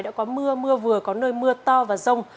đã có mưa mưa vừa có nơi mưa to và rông